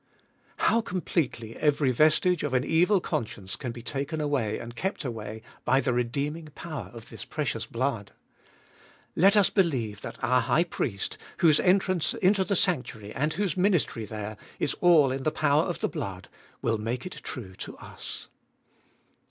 2. How completely every vestige of an evil conscience can be taken away and hept away by the redeeming power of this precious blood! Let us believe that our High Priest, whose entrance into the sanctuary and whose ministry there, is all In the power of the blood, will make it true to us.